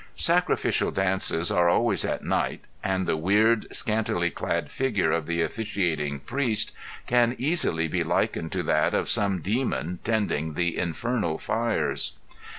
Sacrificial dances are always at night and the weird, scantily clad figure of the officiating priest can easily be likened to that of some demon tending the infernal fires.